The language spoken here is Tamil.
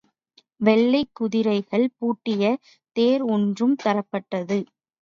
வெள்ளைக் குதிரைகள் பூட்டிய தேர் ஒன்றும் தரப்பட்டது.